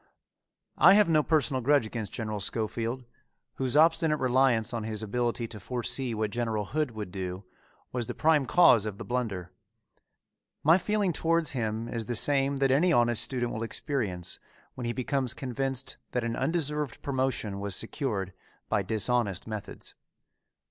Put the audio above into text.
I have no personal grudge against General Schofield, whose obstinate reliance on his ability to foresee what General Hood would do, was the prime cause of the blunder. My feeling towards him is the same that any honest student will experience when he becomes convinced that an undeserved promotion was secured by dishonest methods.